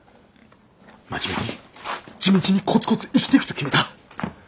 真面目に地道にコツコツ生きてくと決めた。